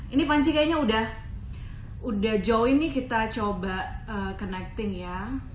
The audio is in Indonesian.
ini panci kayaknya udah join nih kita coba connecting ya